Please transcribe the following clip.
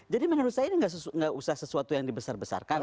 jadi menurut saya ini gak usah sesuatu yang dibesar besarkan